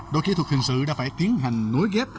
đội kỹ thuật hình sự đã phải tiến hành nối ghép